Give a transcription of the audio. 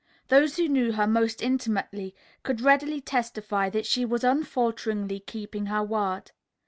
Those who knew her most intimately could readily testify that she was unfalteringly keeping her word.